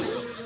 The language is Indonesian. satu dua tiga